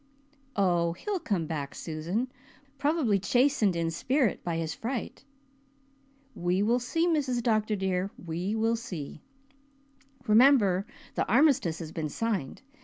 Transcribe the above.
"Oh, he'll come back, Susan, probably chastened in spirit by his fright." "We will see, Mrs. Dr. dear we will see. Remember, the Armistice has been signed.